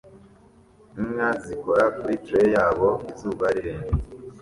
Inka zikora kuri trailer yabo izuba rirenze